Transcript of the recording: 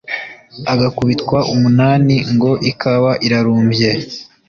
Agakubitwa umunaniNgo ikawa irarumbye,